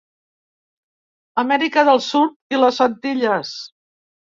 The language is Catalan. Amèrica del Sud i les Antilles.